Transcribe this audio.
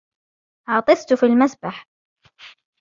غطست في المسبح.